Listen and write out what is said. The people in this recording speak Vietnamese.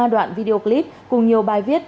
một mươi ba đoạn video clip cùng nhiều bài viết